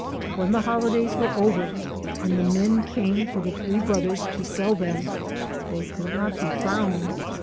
When the holidays were over, and the men came for the three brothers to sell them, they could not be found.